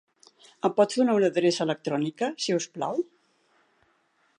Em pots donar una adreça electrònica, si us plau?